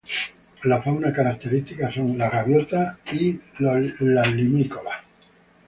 La fauna característica son gaviotas y limícolas.